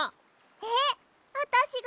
えっあたしが？